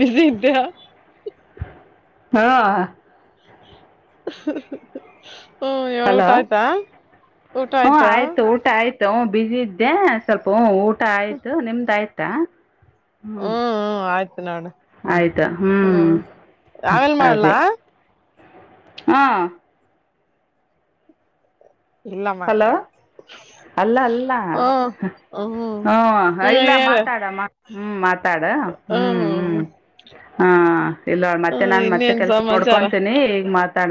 ಬಿಸಿ ಇದ್ಯಾ ಹಾ ಹ್ಮ ಹೇಳು ಹಲೋ ಊಟ ಆಯ್ತಾ ಊಟ ಆಯ್ತಾ ಊಟಾ ಆಯ್ತು ಹ ಬಿಸಿ ಇದ್ದೆ ಸ್ವಲ್ಪ ಊಟ ಆಯ್ತು ನಿಮ್ದ ಆಯ್ತಾ ಹ್ಮ್ ಹ್ಮ ಆಯ್ತು ನೋಡು ಆಯ್ತಾ ಹ್ಮ್ ಆಮೇಲ್ ಅದೇ ಮಾಡ್ಲಾ ಹಾ ಇಲ್ಲ ಮಾಡತ ಹಲೋ ಅಲ್ಲ ಅಲ್ಲ ಹ್ಮ ಹ್ಮ್ ಇಲ್ಲ ಹೇಳ ಮಾತಾಡ ಮಾ ಹ್ಮ್ ಮಾತಾಡ ಹ್ಮ್ ಹ್ಮ್ ಹಾ ಇಲ್ಲ ಮತ್ತೆ ಹ್ಮ್ ನಾನ್ ಮತ್ತೆ ಇನ್ನೇನ್ ಕೆಲ್ಸ ಸಮಾಚಾರ ನೋಡ್ಕೊತೀನಿ ಈಗ ಮಾತಾಡ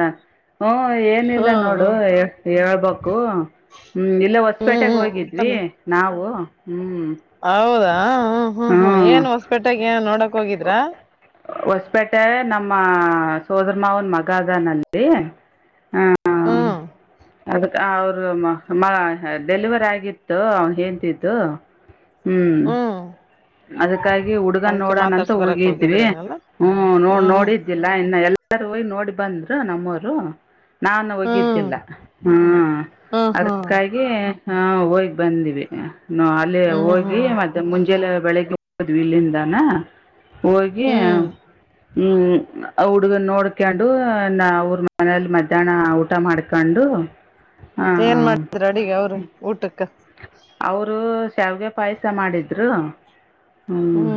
ಹ್ಮ ಏನಿಲ್ಲ ಹ್ಮ್ ನೋಡು ಹ್ಮ್ ಹೇಳ್ಬಕ್ ಹ್ಮ್ ಇಲ್ಲೆ ಹೊಸಪೇಟೆಗೆ ಹ್ಮ್ ಹೋಗಿದ್ವಿ ಹ್ಮ್ ನಾವು ಹ್ಮ್ ಹೌದಾ ಹ್ಮ್ ಹ್ಮ್ ಹ್ಮ್ ಏನ್ ಹೊಸಪೇಟೆಗೆ ನೋಡಕ್ ಹೋಗಿದ್ರಾ ಹೊಸಪೇಟೆ ನಮ್ಮ ಸೋದರ ಮಾವನ ಮಗ ಅದಾನ್ ಅಲ್ಲಿ ಹಾ, ಹ್ಮ್ ಅದಕ್ಕ ಅವರು ಮ ಮ ಡೆಲಿವರ್ ಆಗಿತ್ತು ಅವನ್ ಹೇಂತಿದು. ಹ್ಮ್. ಅದಕ್ಕಾಗಿ ಹುಡ್ಗನ್ ಅದಕ್ಕೆ ನೋಡಣ ಅಂತ ಮಾತಾಡ್ಸ ಬರಕ್ ಹೋಗಿದ್ವಿ ಹೋಗಿದ್ರೇನಲ್ಲ ಹ್ಮ ನೋ ಹ್ಮ್ ನೋಡಿದ ದಿಲ್ಲ ಇನ್ನು ಎಲ್ಲಾರ ಹೋಗಿ ನೋಡಿ ಬಂದ್ರು ನಮ್ಮವರು. ನಾನು ಹ್ಮ್ ಹೋಗಿದ್ದಿಲ್ಲ ಹ್ಮ ಹ್ಮ್ ಹ್ಮ್ ಅದಕಾಗಿ ಗಿ ಹೋಗಿ ಬಂದೀವಿ. ಅಲ್ಲಿ ಹ್ಮ್ ಹ್ಮ್ ಹೋಗಿ ಹ್ಮ್ ಮತ್ತೆ ಮುಂಜೆಲೇ, ಬೆಳಗ್ಗೆ ಹೋದ್ವಿ ಇಲ್ಲಿಂದಾನ. ಹೋಗಿ ಹ್ಮ್ ಹ್ಮ ಆ ಹುಡ್ಗನ್ ನೋಡ್ಕೊಂಡು, ನಾ ಅವ್ರ ಮನೇಲಿ ಮಧ್ಯಾಹ್ನ ಊಟ ಮಾಡ್ಕೊಂಡು, ಏನ್ ಮಾಡಿದ್ರ ಅಡಿಗೆ ಅವರು ಊಟಕ್ಕ. ಅವರು ಶಾವ್ಗೆ ಪಾಯಸ ಮಾಡಿದ್ರು. ಹ್ಮ್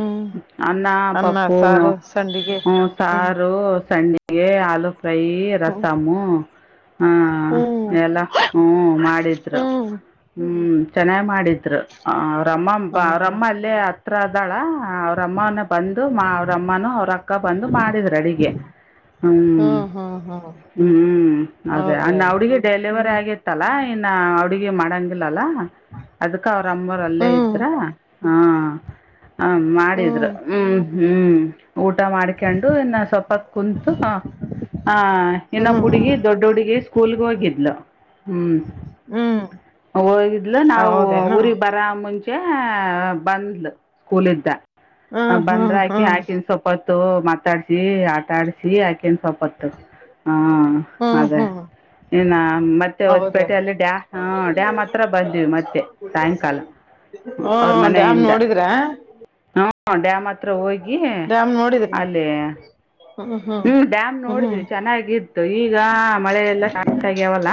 ಅನ್ನ, ಪಪ್ಪು, ಸಾರು ಸಂಡಿಗೆ ಹ್ಮ ಹ್ಮ್ ಸಾರು, ಸ್ಣೆ ಗೆ, ಆಲೂ ಫ್ರೈ, ಹ್ಮ್ ರಸಾಮು, ಹಾ ಎಲ್ಲ ಹ್ಮ ಮಾಡಿದ್ರು. ಹ್ಮ್ ಹ್ಮ ಚೆನ್ನಾಗ ಮಾಡಿದ್ರು. ಅವ್ರಮ್ಮ ಹ್ಮ್ ಅವ್ರಮ್ಮ ಅಲ್ಲೇ ಹತ್ರ ಅದಾಳ, ಅವ್ರಮ್ಮನ ಬಂದು ಮಾ ಅವ್ರಮ್ಮನ ಅವ್ರ ಅಕ್ಕ ಬಂದು ಮಾಡಿದ್ರ್ ಅಡಿಗೆ ಹೌದು ಹ್ಮ್. ಹ್ಮ್ ಅದೇ ಅಂಡ್ ಆ ಹ್ಮ್ ಹುಡುಗಿ ಡೆಲಿವರಿ ಹ್ಮ್ ಆಗೇ ಇತ್ತಲ್ಲ ಇನ್ನ ಹಡುಗಿ ಮಾಡಂಗಿಲ್ಲಲ್ಲ ಅದ್ಕ ಅವ್ರಮ್ಮರು ಅಲ್ಲೇ ಇದ್ರ. ಹೌದೌದು ಹಾ ಹ ಮಾಡಿದ್ರ ಹ್ಮ್ ಹ್ಮ್. ಊಟ ಮಾಡ್ಕೊಂಡು ಇನ್ನ ಸ್ವಲ್ಪ್ಪತ್ ಕುಂತು ಹ, ಹ ಹ್ಮ್ ಹ್ಮ್ ಹ್ಮ್ ಹ್ಮ್ ಇನ್ನೊಬ್ ಹುಡುಗಿ ದೊಡ್ಡ ಹುಡುಗಿ ಸ್ಕೂಲ್ಗ ಹೋಗಿದ್ಲು. ಹ್ಮ್, ಹ್ಮ್, ಹೋಗಿದ್ಲು ನಾವು ಹೌದೇನು ಊರಿಗ್ ಬರ ಮುಂಚೆ ಬಂದ್ಲು ಸ್ಕೂಲ್ದ. ಹ್ಮ್ ಹ್ಮ್ ಬಂದ್ರಾಕಿ ಹ್ಮ್ ಅಕಿನ ಸವಲ್ಪತ್ತು ಮಾತಾಡ್ಸಿ, ಆಟಾ ಆಡ್ಸಿ, ಹಾಕಿ ಒಂದ್ ಸಪತ್ತು ಹ ಹ್ಮ್ ಅದೇ. ಹ್ಮ್ ಏನಾ ಮತ್ತೆ ಹೌದ ಹೊಸಪೇಟೆ ಅಲ್ಲಿ ಡ್ಯಾ ಹ ಡ್ಯಾಮ್ ಹತ್ರ ಬಂದ್ವಿ ಮತ್ತೆ ಸಾಯಂಕಾಲ. ಹ್ಮ ಅವ್ರ ಡ್ಯಾಮ್ ಮನೆಯಿಂದ, ನೋಡಿದ್ರ ಹ್ಮ ಡ್ಯಾಮ್ ಹತ್ರ ಹೋಗಿ ಡ್ಯಾಮ್ ನೋಡಿದ್ರ ಅಲ್ಲಿ, ಹ್ಮ್ ಡ್ಯಾಮ್ ಹ್ಮ್ ನೋಡಿದ್ವಿ ಚೆನ್ನಾಗಿತ್ತು ಈಗ ಮಳೆ ಎಲ್ಲಾ ಸ್ಟಾರ್ಟ್ ಆಗ್ಯಾವಲ್ಲ.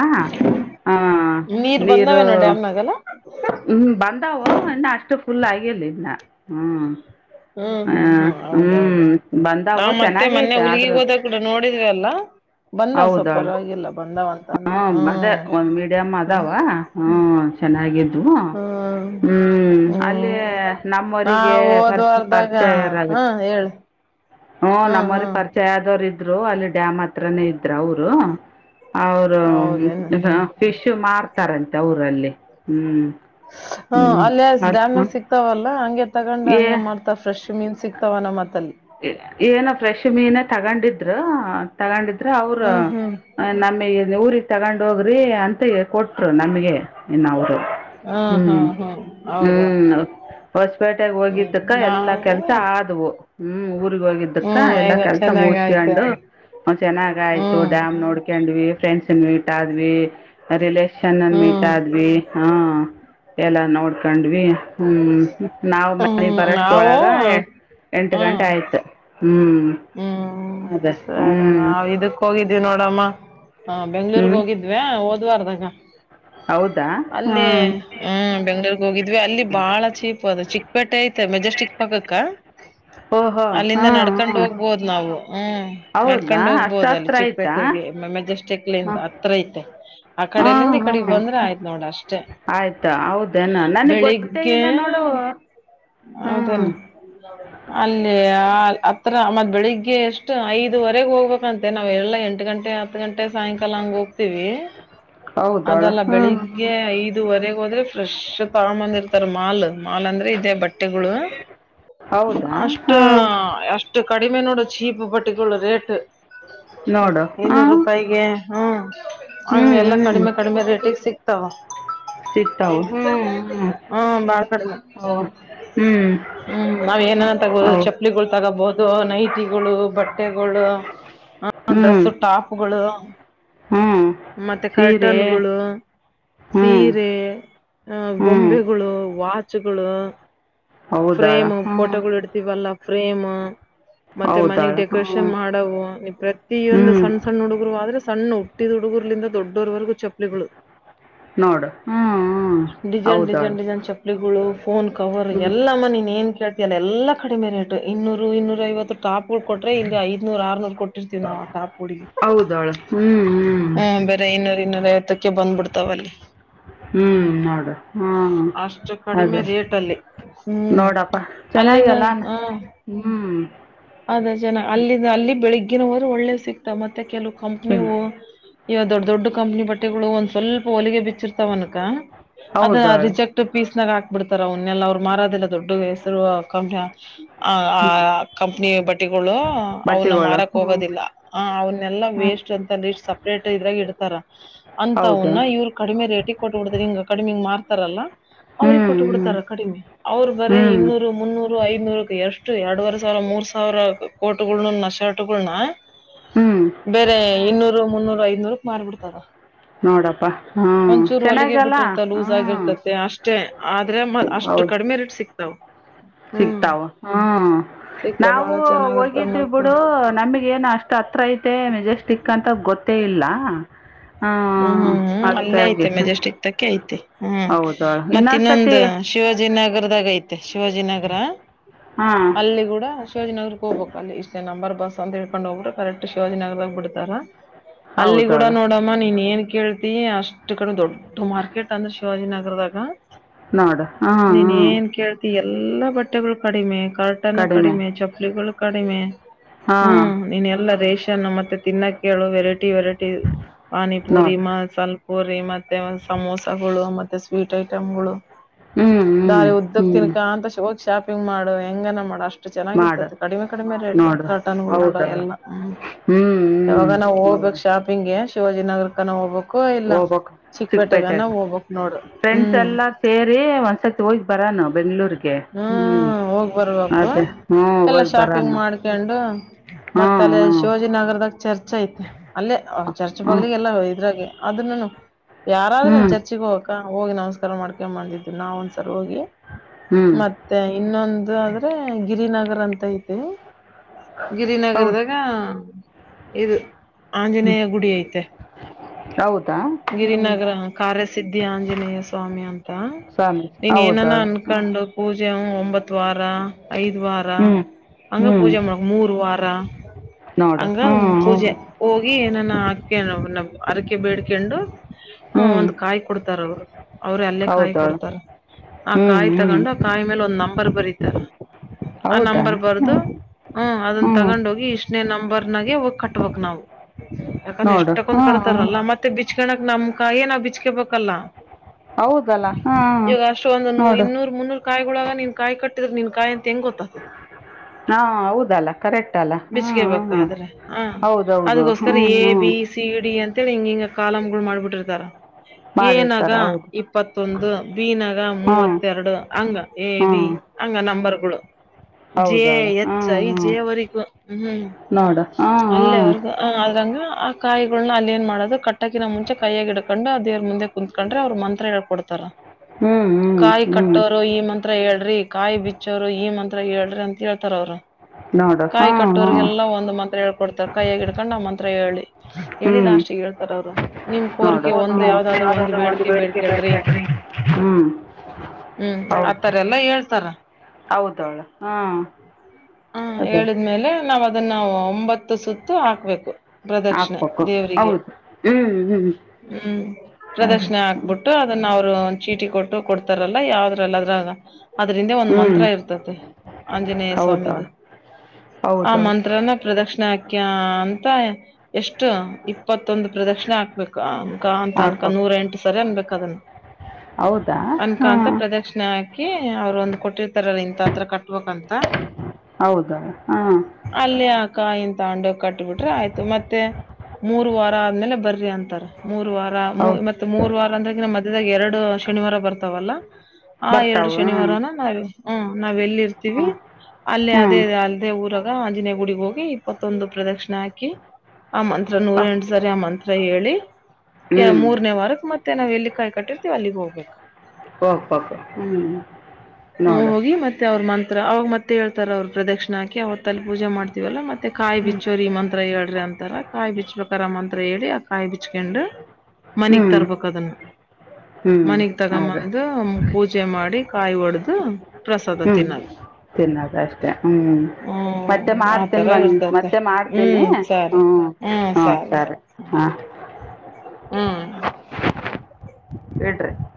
ಹ್ಮ್. ನೀರ್ ಬಂದಾವೇನ್ ಡ್ಯಾಮ್ನಂಗ್ ಅಲ್. ಹ್ಮ್ ಬಂದಾವೊ ಇನ್ನು ಅಷ್ಟು ಫುಲ್ ಆಗಿಲ್ಲ ಇನ್ನ ಹ್ಮ್. ಹ್ಮ್ ಹ ಹ್ಮ್ ಹ್ಮ್ ಹೌದೌದು ಹ್ಮ್ ಬಂದವು ನಾವ್ ಮತ್ತೆ ಚೆನ್ನಾಗೇ ಮೊನ್ನೆ ಐತೆ ಹುಲ್ಗಿಗ್ ಆದ್ರರು. ಹೋದ ಕೂಡ ನೋಡಿದ್ವಿ ಅಲ್ಲ ಬಂದಾವ್ ಹೌದ ಸ್ವಲ್ಪ ಅವಳ ಪರವಾಗಿಲ್ಲ ಬಂದಾವ ಅಂತ ಅಂದ್ರ ಹ ಅದೇ ಹ್ಮ್ ಒಂದ್ ಮೀಡಿಯಂ ಹ್ಮ್ ಅದಾವ. ಹ್ಮ್ ಚೆನ್ನಾಗಿದ್ದವು. ಹ್ಮ್ ಹ್ಮ್ ಅಲ್ಲಿ, ಹ್ಮ್ ನಮ್ಮ ನಾ ಗೆ ಪರ್ಚ ಹೋದ್ವಾರದಾಗ ಹಾ ಪರಿಚಾರಗುತ್ತ ಹೇಳಿ ಹ್ಮ ಹ್ಮ್ ನಮ್ಮವ್ರ ಹ್ಮ್ ಪರಿಚಯ ಆದವರು ಇದ್ರು ಅಲ್ಲಿ ಡ್ಯಾಮ್ ಹತ್ರನೇ ಇದ್ರ ಅವರು. ಅವರು ಹೌದೇನು ಫಿಶ್ ಮಾರ್ತಾರಂತೆ ಊರಲ್ಲಿ. ಹಾ ಅಲ್ಲೆ ಅ ಡ್ಯಾಮ ಸಿಕ್ತಾವಲ್ಲ. ಹಂಗೆ ತಗೊಂಡ್, ಏ ಹಂಗೆ ಮಾಡ್ತ, ಫ್ರೆಶ್ ಮೀನ್ ಸಿಕ್ತಾವ ನಮ್ಮ ಮತ್ತ ಅಲ್ಲಿ ಏನ ಫ್ರೆಶ್ ಮೀನ ತಗೊಂಡಿದ್ರ, ತಗೊಂಡಿದ್ರ, ಅವ್ರ, ಹ್ಮ್ ಹ್ಮ್ ನಮಗೆ ಊರಿಗೆ ತಗೊಂಡ ಹೋಗ್ರಿ ಅಂತ ಕೊಟ್ರು ನಮಗೆ ಇನ್ನ ಅವರು. ಹ್ಮ್ ಹ್ಮ್ ಹೊಸಪೇಟೆಗ ಹ್ಮ್ ಹೋಗಿದ್ದಕ್ಕ, ಎಲ್ಲಾ ನಾವು ಕೆಲ್ಸ ಆದ್ವು ಊರಿಗೆ ಹೋಗಿದ್ದ ಅದ್ಕಕ ಹ್ಮ್ ಎಲ್ಲಾ ಹೆಂಗ ಕೆಲ್ಸ ಚೆನ್ನಾಗ ಮುಗಿಸಕೊಂಡು. ಆಯ್ತು ಚೆನ್ನಾಗ ಆಯ್ತು. ಹ್ಮ್ ಡ್ಯಾಮ್ ನೋಡ್ ಕೊಂಡ್ವಿ ಫ್ರೆಂಡ್ಸ್ ಮೀಟ್ ಆದ್ವಿ ರಿಲೇಷನ್ನ್ ಮೀಟ್ ಹ್ಮ್ ಆದ್ವಿ ಹ ಎಲ್ಲ ನೋಡ್ಕಂಡ್ವಿ ಹ್ಮ್ ನಾವ್ ಮ ಹ್ಮ್ ಬರಷ್ಟ ನಾವು ಒಳಗ ಎಷ್ಟ ಎಂಟು ಹ್ಮ್ ಗಂಟೆ ಆಯಿತು ಹ್ಞೂ ಹ್ಮ್ ಸರಿ ನಾ ಇಕ್ಕ ಹೋಗಿದ್ವಿ ನೋಡಮ್ಮ ಹ ಬೆಂಗ್ಳೂರ್ಗ್ ಹ್ಮ್ ಹೋಗಿದ್ವ ಓದ್ವಾರದಾಗ ಹೌದಾ ಅಲ್ಲಿ ಹ್ಮ್ ಹ್ಮ್ ಬೆಂಗ್ಳೂರ್ಗ್ ಹೋಗಿದ್ವಿ ಅಲ್ಲಿ ಬಾಳ ಚೀಪು ಅದು ಚಿಕ್ಕ ಪೇಟೆ ಐತೆ ಮೆಜೆಸ್ಟಿಕ್ ಪಕ್ಕಕ್ಕ ಓಹೋ ಹಾ ಹ ಹೋಗಬೋದು ನಾವು ಹ್ಮ್ ನಡ್ಕೊಂಡ್ ಅಷ್ಟ ಹೋಗ್ಬೋದು ಅಲ್ಲಿ ಹತ್ರ ಆಯ್ತಾ ಚಿಕ್ಕಪೇಟೆಗೆ ಮೆಜೆಸ್ಟಿಕ್ಂದ ಹ ಹತ್ರ ಐತೆ ಆ ಕಡೆಯಲ್ಲಿಂದ ಈ ಕಡೆಗ್ ಬಂದ್ರೆ ಆಯ್ತ್ ನೋಡ ಅಷ್ಟೇ ಆಯ್ತಾ ಹೌದೇನ ನನಗ್ ಗೊತ್ತೇ ಇಲ್ಲ ನೋಡು ಹ್ಞೂ ಹೌದೇನೆ ಅಲ್ಲಿ ಮತ್ ಬೆಳಿಗ್ಗೆ ಎಷ್ಟು ಐದುವರೆಗೆ ಹೋಗ್ಬೇಕಂತೆ ನಾವ್ ಎಲ್ಲ ಎಂಟು ಗಂಟೆ ಹತ್ತು ಗಂಟೆ ಸಾಯಂಕಾಲ ಹಂಗ ಹೋಗ್ ಹೌದಳು ಅದೆಲ್ಲ ಹ್ಞೂ ಬೆಳಿಗ್ಗೆ ಐದುವರೆಗೆ ಹೋದ್ರೆ ಫ್ರೆಶ್ ಕ ಬಂದ ಇರ್ತಾರ ಮಾಲ್ ಮಾಲ್ ಅಂದ್ರೆ ಇದೇ ಬಟ್ಟೆಗಳು ಹೌದಾ ಅಷ್ಟ ಹಾಂ ಅಷ್ಟು ಕಡಿಮೆ ನೋಡು ಚೀಪ್ ಬಟ್ಟೆ ಗೋಳ್ ರೇಟ್. ನೋಡು ಇನೂರ್ ಹಾಂ ರೂಪಾಯಿಗೆ ಹ್ಮ ಹ್ಞೂ ಹಂಗ ಎಲ್ಲಾ ಹ್ಞೂ ಕಡಿಮೆ ಕಡಿಮೆ ರೇಟಿಗೆ ಸಿಕ್ ಹ ಸಿಗ್ತಾವು ಹ್ಞೂ ಹ್ಞೂ ಬಾಳ್ [inaudible] ಹೋ ಹ್ಞೂ ಹ್ಮ್ ನಾವ್ ಏನ ತಗಬೋದು ಹೌ ಚಪ್ಪಲಿಗೋಳ್ ತಗೋಬಹುದು ಇದು ನೈಟಿಗಳು ಬಟ್ಟೆಗಳು ಹ್ಞೂ ಡ್ರೆಸ್ ಟಾಪ್ಗಳು ಹ್ಞೂ ಮತ್ತೆ ಸೀರೆ ಕರ್ಟನ್ಗುಳು ಹ್ಞೂ ಸೀರೆ [unintelligible] ಹ್ಞೂ ಗೊಂಬೆಗಳು ವಾಚ್ಗುಳು ಹೌದಾಳ ಫ್ರೇಮ್ ಹ್ಞೂ ಫೋಟೋಗೋಳ್ ಇಡ್ತಿವಲ್ಲ ಫ್ರೇಮ್ ಮತ್ತೆ ಹೌದಾಳ ಮನೆಗ್ ಹ್ಞೂ ಡೆಕೋರೇಷನ್ ಮಾಡವು ಹ್ಞೂ ಪ್ರತಿಯೊಂದು ಸಣ್ಣ ಸಣ್ಣ ಹುಡುಗರು ಆದ್ರೆ ಸಣ್ಣವು [unintelligible] ಟ್ಟಿದ್ ಹುಡುಗುರ್ಲಿಂದ ದೊಡ್ಡೋರ್ವರೆಗೂ ಚಪ್ಲಿಗಳು ನೋಡ್ ಡಿಜೇನ್ ಡಿಜೇನ್ ಡಿಜೇನ್ ಚಪ್ಲಿಗಳು ಫೋನ್ ಕವರ್ ಹ್ಞೂ ಎಲ್ಲಮ್ಮ ನೀನ್ ಏನ್ ಕೇಳ್ ಇಲ್ಲ ಎಲ್ಲಾ ಕಡಿಮೆ ರೇಟ್ ಇನ್ನೂರು ಇನ್ನೂರ ಐವತ್ತು ಟಾಪ್ ಹುಡ್ ಕೊಟ್ರೆ ಇಲ್ಲಿ ಐದನೂರ್ ಆರ್ರ್ ಕೊಟ್ಟಿತತಿವಿ ನಾವವು ಆ ಟಾಪ್ ಹುಡುಗೆ ಹ್ಮ್ ಹ್ಮ್ ಹ್ಮ ಬೇರೆ ಇನ್ನೂರ್ ಇನ್ನೂರ ಐತ್ತಕ್ಕೆ ಬಂದ್ಬಿಡ್ತಾವ ಅಲ್ಲಿ ಹ್ಞೂ ನೋಡು ಹ್ಞೂ ಅಷ್ಟು ಕಡಿಮೆ ಅದೇ ರೇಟ ಅಲ್ಲಿ ಹ್ಮ್ ಅಲ್ಲಿನ ಹಾ ಹ್ಮ್ ಅದ ಜನ ಅಲ್ಲಿಂದ ಅಲ್ಲಿ ಬೆಳಿಗ್ಗಿನವರು ಒಳ್ಳೆ ಸಿಕ್ತಾವ ಮತ್ತೆ ಕೆಲವು ಕಂಪ್ನಿವು ಈವ ದೊಡ್ಡ ದೊಡ್ಡ ಕಂಪ್ನಿ ಬಟ್ಟೆಗಳು ಒಂದ್ ಸ್ವಲ್ಪ ಹೊಲಿಗೆ ಬಿಚ್ಚಿರ್ತಾವನಕ ಅದ ಹೌದು ಅವಳು ರಿಜೆಕ್ಟ್ ಇ ಪೀಸ್ನಾಗ ಹಾಕ್ಬ ಬಿಡ್ತಾರ ಅವನ್ನೆಲ್ಲ ಅವ್ರು ಮಾರೋದಿಲ್ಲ ದೊಡ್ಡ ಹೆಸ್ರು ಆ ಆ ಕಂಪ್ನಿ ಬಟ್ಟಿಗಳು ಅವನ್ನ ಬಟ್ಟೆಗಳು ಮಾರಕ್ ಹ್ಞೂ ಹೋಗೋದಿಲ್ಲ ಹ ಅವನ್ನೆಲ್ಲಾ ಹ್ಞೂ ವೇಸ್ಟ್ ಅಂತ ಲ ಸಪ್ರೇಟ್ ಇದ್ರಾಗ ಇಡ್ತಾರ ಹೌದು ಅಂತವನ್ನ ಇವ್ರು ಕಡಿಮೆ ರೇಟಿಗೆ ಕೊಟ್ಟ [unintelligible] ಕಡಿಮೆಮಾಡ್ತಾರಲ್ಲ. ಹ್ಞೂ ಅವ್ರಿಗೆ ಕೊಟ್ಟ್ ಹ್ಞೂ ಬಿಡ್ತಾರ ಕಡಿಮೆ ಅವ್ರು ಬರೇ ಹ್ಞೂ ಇನ್ನೂರು ಮುನ್ನೂರು ಐದನೂರಕ್ ಎಷ್ಟು ಎರಡು [unintelligible] [unintelligible] ಮೂರ್ ಸಾವಿರ ಕೋರ್ಟ್ಗುಳ್ನ ಶರ್ಟ್ಗಳನ್ನ ಹ್ಮ್ ಬೇರೆ ಇನ್ನೂರು ಮುನ್ನೂರು ಐದನೂರಕ್ ಮಾರ್ಬಿಡ್ತಾರ ನೋಡಪ್ಪ ಹ್ಞೂ ಒಂಚೂರು ಹೊಲಗೆ ಚೆನ್ನಾಗಲ್ಲ ಬಿಟ್ಟಿರ್ತ್ತಾವ್ ಹ್ಞೂ ಲೂಸ್ ಆಗಿರ್ತೈತೆ ಅಷ್ಟೇ ಆದ್ರೆ ಅಷ್ಟು ಹೌದು ಕಡಿಮೆ ರೇಟ್ [unintelligible] ಸಿಗ್ತಾವ್ ಸಿಗ್ತಾವ ಹ್ಮ್ ಸಿಕ್ತಾವ ಬಾಳ ನಾವು ಚೆನ್ನಾಗಿರ್ತಾವ ಹೋಗಿದ್ದೀವಿ ಮತ್ತೆ ಬಿಡು [unintelligible] ಏನ ಅಷ್ಟ್ ಹತ್ರ ಐತೆ ಮೆಜೆಸ್ಟಿಕ್ ಅಂತ ಗೊತ್ತೇ ಇಲ್ಲ ಹಾ ಅದಕ್ಕ್ಹಾಗಿ [unintelligible] ಐತಿ ಹ್ಮ್ ಮತ್ತೆ ಇನ್ನೊಂದ್ ಇನ್ನೊಂದ್ಸತಿ ಶಿವಾಜಿನಗರದಾಗ್ ಐತೆ ಶಿವಾಜಿನಗರ ಹಾಂ ಅಲ್ಲಿ ಗೂಡ ಶಿವಾಜಿನಗರ್ ಹೋಗ್ಬೇಕು ಅಲ್ಲಿ ಇಷ್ಟೇ ನಂಬರ್ ಬಸ್ ಅಂತ ಹಳ್ಕೊಂಡು ಹೋಗಬರು ಕರೆಕ್ಟ್ ಶಿವಾಜಿನ ನಗರದಾಗ ಬಿಡ್ತಾರ ಅಲ್ಲಿ ಕೂಡ ಹೌದಾಳ ನೋಡಮ್ಮ ನೀನ್ ಏನ್ ಕೇಳ್ತಿ ಅಷ್ಟ್ ಕಡೆ ದೊಡ್ಡ ಮಾರ್ಕೆಟ್ ಅಂದ್ರೆ ಶಿವಾಜಿನಗರದಾಗ ನೋಡು ಹಾಂ ನೀನ್ ಹಾಂ ಏನ್ ಕೇಳ್ತಿ ಎಲ್ಲಾ ಬಟ್ಟೆಗಳು ಕಡಿಮೆ ಕಕ್ ಹನ್ನು ಕಡಿಮೆ ಚಪ್ಲಿಗಳು ಕಡಿಮೆ ಹಾಂ ಹ್ಮ್ ನೀನ್ ಎಲ್ಲಾ ರೇಷನ್ ಮತ್ತೆ ತಿನ್ನಕ್ಕೆೇಳು ವೆರೈಟಿ ವೆರೈಟಿ ಪಾನಿಪುರಿ ನೋಡು ಪೋರಿ ಮತ್ತೆ ಒ ಸಮೋಸಗಳು ಮತ್ತೆ ಸ್ವೀಟ್ ಐಟಂ್ಗಳು ಹ್ಞೂ ಹ್ಞೂ ಬಾರಿ ಉದ್ದಕ್ ಹ್ಞೂ ತಿನ್ಕಾ ಅಂತ ಹೋಗಿ ಶಾಪಿಂಗ್ ಮಾಡು ಹೆಂಗನ ಮಾಡು ಅಷ್ಟ ಮಾಡು ಚೆನ್ನಾಗಿರ್ತತಿ ಕಡಿಮೆ ಕಡಿಮೆ ರೇಟ್ ನೋಡು ಕಟನ್ಗಳು ಕೂಡ ಹೌದಾಳ ಎಲ್ಲ ಹ್ಮ ಹ್ಞೂ ಯಾವಾಗ ನಾವವು ಹ್ಞೂ ಹೌದು ಹೋಗ್ಬೇಕು ಶಾಪ್ ಹಂಗೆ ಶಿವಾಜಿನ ನಗರ ಕ ನಾವು ಹೋಗ್ಬೇಕು ಹಕ್ಕೋ ಇಲ್ಲ ಹೋಗ್ಬೇಕು ಚಿಕ್ಕಪೇಟೆಗನ ಚಿಕ್ಕಪೇಟೆಗೆ ಹೋಗ್ಬಕ್ ನೋಡ ಫ್ರೆಂಡ್ಸ್ ಹ್ಮ್ ಎಲ್ಲ ಸೇರಿ ಒಂದ್ಸತಿ ಹೋಗಿ ಬರ ನಾವು ಬೆಂಗಗಳೂರಿಗೆ ಹ್ಮ್ ಹೋಗ್ ಬರ್ಬೇಕು ಅದೇ ಹ್ಮ ಎಲ್ಲ ಹದ್ ಶಾಪಿಂಗ್ ಬರಾನ ಮಾಡ್ಕೊಂಡು ಮತ್ತ ಅಲ್ಲ ಶಿವಾಜಿನಗರದಾಗ ಚರ್ಚ್ ಐತೆ ಅಲ್ಲೇ ಚರ್ಚ್ ಹ್ಞೂ ಬಗ್ಲಿಗೆ ಎಲ್ಲ ಇದ್ರಾಗ ಅದನು ಯಾರಾದ್ರೆ ಹ್ಞೂ ನನ್ ಚರ್ಚಿಗೆ ಹೋಗಕ ಹೋಗಿ ನಮಸ್ಕಾರ ಮಾಡ್ಕೊಂಡ ಬಂದಿದ್ದು ನಾವ ಒಂದ್ಸರ್ ಹೋಗಿ ಹ್ಞೂ ಮತ್ತೆ ಇನ್ನೊಂದು ಆದ್ರೆ ಗಿರಿನಗರ ಅಂತ ಐತಿ ಹೌದು ಗಿರಿನಗರದಾಗ ಇದು ಆಂಜನೇಯ ಗುಡಿ ಐತೆ ಹೌದಾ ಹ್ಞೂ ಗಿರಿನಗರ ಕಾರ್ಯಸಿದ್ಧಿ ಆಂಜನೇಯ ಸ್ವಾಮಿ ಅಂತ ಸ್ವಾಮಿ ನೀನ್ ಏನಾನ ಹೌದಾಳು ಅನ್ಕೊಂಡು ಪೂಜಂ ಒಂಬತ್ತು ವಾರ ಐದು್ ವಾರ ಹ್ಞೂ ಅಂಗ ಹ್ಞೂ ಪೂಜೆ ಮಾಡ ಮೂರು ವಾರ ನೋಡು ಹಂಗ ಹ್ಞೂ ಪೂಜೆ ಹ್ಞೂ ಹೋಗಿ ಏನಾನ ಹಾಕ ಅರಕೆ ಬೇಡ್ಕಂಡು ಆ ಹ್ಮ್ ಒಂದ್ ಕಾಯಿ ಕೊಡ್ತಾರ ಅವರು ಅವ್ರ ಅಲ್ಲೇ ಕಾಯಿ ಹೌದವಳು ಕೊಡ್ತಾರ ಆ ಹ್ಮ್ ಕಾಯಿ ಹ್ಮ್ ತಗೊಂಡು ಕಾಯಿ ಮೇಲೆ ಒಂದ್ ನಂಬರ್ ಬರೀತಾರ ಆ ಹೌದಾ ನಂಬರ್ ಬರ್ದು ಹ್ಮ್ ಹ್ಮ ಅದನ್ ಹ್ಮ್ ತಗೊಂಡೋಗಿ ಇಷ್ಟನೇ ನಂಬರ್ನಾಗೆ ಹೋಗ ಕಟ್ಬೇಕಕ್ ನಾವು ಯಾಕಂದ್ರೆ ಎಷ್ಟ ನೋಡು ತಕೊೊಂಡ್ ಹ್ಮ್ ಹ್ಮ್. ಕಡ್ತಾರಲ್ಲಾ ಮತ್ತೆ ಬಿಚ್ಕಣಕ್ ನಮ್ ಕಾಯೇ ನಾವವು ಬಿಚ್ಕಬೇಕಲ್ಲ ಹೌದಲ್ಲ ಹ್ಮ್ ಇವಾಗ ಅಷ್ಟು ಒಂದು ನೋಡು ಇನ್ನೂರು ಮುನ್ನೂರು ಕಾಯಿಗಳಳಗ ನಿನ್ ಕಾಯಿ ಕಟ್ಟಿದ್ರೆ ನಿನ್ ಕಾಯಿ ಅಂತ ಹೆಂಗ ಗೊತ್ತಾಗತದೆ ಹಾ ಹೌದಲ್ಲ ಕರೆಕ್ಟ್ ಅಲ್ಲ ಹ್ಮ್ ಹ್ಮ್ ಬಿಚ್ಕೇಬೇಕಾದ್ರೆ ಹೌದೌದು ಹ್ಮ್ ಹ್ಮ್ ಸೀಡಿ ಅಂತೇಳಿ ಹಿಂಗ ಹಿಂಗ ಕಾಲಮ್ಗಳು ಮಾಡ್ಬಿಟ್ಟಿರ್ತಾರ ಏನಾಗ ಮಾಡಿರ್ತಾರೆ ಹೌದು ಇಪ್ಪತ್ತೊಂದು ಬಿ ನಗ ಹ್ಮ್ ಮೂವತ್ತೆರಡು ಹಂಗ ಎ ಬಿ ಹ್ಮ್ ಅಂಗ ನಂಬರ್ಗಳುಗಳು ಜೆ ಹೌದವಳು ಎಚ್ ಹ್ಮ್ ಐ ಹ್ಮ್ ಜೆ ವರೆ ಹ್ಮ್ ನೋಡು ಹ್ಮ್ ಅಲ್ಲೇ ಹ್ಮ್ ಅವರ್ಗ ಅ ಅದ್ರಂಗ ಆ ಕಾಯಿಗಳ್ನ್ನ ಅಲ್ಲಿ ಏನ್ ಮಾಡೋದು ಕಟ್ಟಕಿನ ಮುಂಚೆ ಕೈಯಾಗ ಹಿಡ್ಕೊಂಡು ದೇವರ ಮುಂದೆ ಕುಂತ್ಕೊಂಡ್ರೆ ಅವ್ರು ಮಂತ್ರ ಹೇಳ್ಕೊಡ್ತಾರ ಹ್ಮ್ ಕಾಯಿ ಹ್ಮ್ ಹ್ಮ್ ಕಟ್ಟೋರು ಈ ಮಂತ್ರ ಮಂತ್ರ ಹೇಳ್ರಿ ಕಾಯಿ ಬಿಚ್ಚ ಅವರು ಈ ಮಂತ್ರ ಹೇಳ್ರಿ ಅಂತ ಹೇಳ್ತಾರ ಅವರು ನೋಡ ಹಾ ಹಾ ಅ ಒಂದ್ ಮಂತ್ರ ಹೇಳ್ಕಡ್ತಾರೆ ಕೈಯಾಗ ಹಿಡಕೊಂಡ್ ಮಂತ್ರ ಹೇಳಿ ಹೇಳಿಲಾ ಹ್ಮ್ ಅಷ್ಟ ಹೇಳ್ತಾರ ಅವ್ರು ನಿಮ್ ನೋಡು ಕೋರಿಕೆ ಒಂದ ಹ್ಮ್. ಯಾವ್ದಾದ್ರು ಒಂದ್ ಬೇಡಿಕೆ ಬೇಡ್ಕೇಳ್ರಿ. ಹ್ಮು ಹ್ಮು ಆತರ ಎಲ್ಲಾ ಹೇಳ್ತಾರ. ಹೌದವಳು ಹ್ಮ್ ಅ ಅದೇ ಹೇಳಿದ್ಮೇಲೆ ನಾವ ಅದನ್ನ ಒಂಬತ್ತು ಸುತ್ತು ಹಾಕ್ಬೇಕು. ಪ್ರದಕ್ಷಣೆ ಹಾಕ್ಬೇಕು ದೇವರಿಗೆ ಹೌದು ಹ್ಞೂ ಹ್ಞೂ ಹ್ಮು ಹಾಗೆ ಪ್ರದಕ್ಷಣೆ ಹಾಕ್ಬಿಟ್ಟು ಟ್ಟು ಅದನ್ನ ಅವ್ರು ಒಂದ್ ಚೀಟಿ ಕೊಟ್ಟು ಕೊಡ್ತಾರಲ್ಲ ಯಾವದ್ರಲ್ಲದ್ರಾಗ್ ಅದರಿಂದೆ ಒಂದ್ ಹ್ಞೂ ಮಂತ್ರ ಇರ್ತತೆ ಆಂಜನೇಯ ಹೌದಾ ಸ್ವಾಮಿದು ಆ ಹೌದು ಮಂತ್ರನ ಪ್ರದಕ್ಷಣೆ ಹಾಕ್ಯ ಅಂತ ಎಷ್ಟು ಇಪ್ಪತ್ತೊಂದ ಪ್ರದಕ್ಷಣೆ ಹಾಕ್ಬೇಕ್. [unintelligible] ಅನಕೊಂಡ್ ಹಾಕ್ಬೇಕು ನೂರ ಎಂಟು ಸರೆ ಅನ್ಬೇಕ ಅದನ್ನ. ಹೌದಾ ಅನ್ಕೊಂತ ಹಾಂ ಪ್ರದಕ್ಷಣೆ ಆ ಹಾಕಿ ಅವ್ರು ಒಂದ್ ಕೊಟ್ಟಿರ್ತಾರಲ್ಲ ಇಂತ ಹತ್ರ ಕಟ್ಬೇಕಂತ. ಹೌದಾ ಹಾ. ಅಲ್ಲಿ ಆ ಕಾಯಿ ತೊಗೊಂಡು ಹೋಗಿ ಕಟ್ಬಿಟ್ರೆ ಆಯ್ತು ಮತ್ತೆ. ಮೂರ್ ವಾರ ಆದ್ಮೇಲೆ ಬರ್ರಿ ಅಂತಾರ ಮೂರು ವಾರ್ ವಾರ ಮೂ ಹೌದು ಮತ್ತೆ ಮೂರು ವಾರ ಅಂದ್ರೆ [unintelligible] ಮಧ್ಯದಾಗ ಎರಡು ಶನಿವಾರ ಬರ್ತಾವಲ್ಲ ಆ ಎರಡು ಬರ್ತಾವೆ ಹಾಂ ಶನಿವಾರನ ನಾವ್ ಹ್ಮು ನಾವ್ ಎಲ್ಲಿ ಇರ್ತೀವಿ ಹಾಂ ಅಲ್ಲೇ ಹ್ಞೂ ಅದೇ ಅಲ್ಲಿ ಅದೇ ಊರಾಗ ಆಂಜನೇಯ ಗುಡಿಗೆ ಹೋಗಿ ಇಪ್ಪತ್ತೊಂದು ಪ್ರದಕ್ಷಣೆ ಹಾಕಿ ಆ ಮಂತ್ರ ನೂರು ಎಂಟು ಸರಿ ಆ ಮಂತ್ರ ಹೇಳಿ ಹ್ಞೂ ಮೂರನೇ ವಾರಕ್ ಮತ್ತೆ ನಾವ್ ಎಲ್ಲಿ ಕಾಯಿ ಕಟ್ಟಿರ್ತೀವಿ ಅಲ್ಲಿಗ್ ಹೋಗ್ಬೇಕ್. ಓ ಓ ಹ್ಮು. ಹ್ಮು ಹೋಗಿ ಮ ಮತ್ತೆ ಅವ್ರ ಮಂತ್ರ ಅವಾಗ ಮತ್ತೆ ಹೇಳ್ತಾರೆ ಅವ್ರ ಪ್ರದಕ್ಷಣ ಹಾಕಿ ಅವತ್ತ್ ಅಲ್ಲಿ ಪೂಜೆ ಮಾಡ್ತಿವಲ್ಲ ಮತ್ತೆ ಕಾಯಿ ಬಿಚ್ಚ ಚರಿ ಮಂತ್ರ ಹೇಳ್ರಿ ಅಂತಾರ ಕಾಯಿ ಬಿಚ್ಬೇಕಾರ ಮಂತ್ರ ಹೇಳಿ ಆ ಕಾಯಿ ಬಿಚ್ಕಂಡು ಹ್ಞೂ ಮನೆಗ್ ತರ್ಬೇಕ ಅದನ್ನ್ ಹ್ಞೂ ಮನಗ್ ಅದೇ ತಗೊಂಬಂದ ಪೂಜೆ ಮಾಡಿ ಕಾಯಿ ಒಡ್ದ್ [unintelligible] ಪ್ರಸಾದ ಹ್ಞೂ ತಿನ್ನೋದು. ತಿನ್ನೋದು ಅಷ್ಟೇ ಹ್ಞೂ ಮತ್ತೆ ಹ್ಮು ಮಾಡ್ತೀನಿ ಆತರ ಮನ್ ಇರ್ತತೆ ಮತ್ತೆ ಹ್ಮು ಮಾಡ್ತೀನಿ ಸರಿ. ಹ್ಞೂ ಹ್ಮು ಹ್ಞೂ ಸರಿ ಸರಿ ಹಾಂ ಹ್ಮು. [unintelligible]